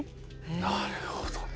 なるほどね。